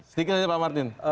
sedikit saja pak martin